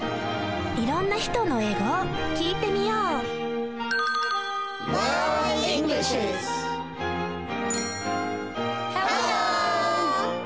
いろんな人の英語を聞いてみようＨｅｌｌｏ！